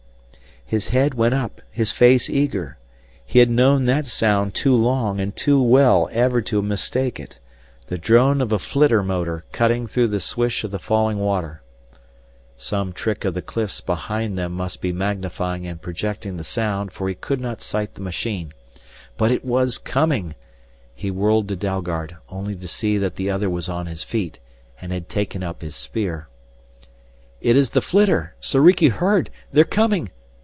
His head went up, his face eager. He had known that sound too long and too well ever to mistake it the drone of a flitter motor cutting through the swish of the falling water. Some trick of the cliffs behind them must be magnifying and projecting the sound, for he could not sight the machine. But it was coming. He whirled to Dalgard, only to see that the other was on his feet and had taken up his spear. "It is the flitter! Soriki heard they're coming!"